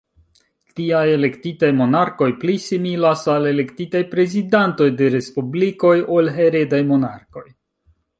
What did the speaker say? Tiaj elektitaj monarkoj pli similas al elektitaj prezidantoj de respublikoj ol heredaj monarkoj.